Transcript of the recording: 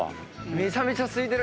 めちゃめちゃすいてる。